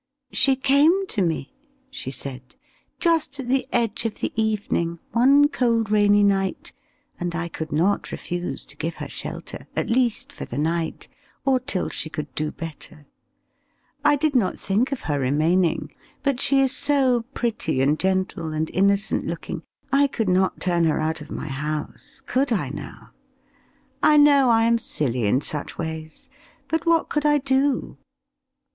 "She came to me," she said, "just at the edge of the evening, one cold rainy night, and I could not refuse to give her shelter, at least for the night, or till she could do better. I did not think of her remaining; but she is so pretty and gentle, and innocent looking, I could not turn her out of my house could I, now? I know I am silly in such ways; but what could I do?"